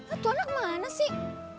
itu anak mana sih